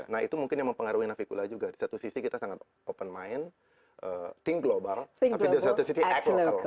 nah itu mungkin yang mempengaruhi navikula juga di satu sisi kita sangat open mind think global tapi di satu sisi acle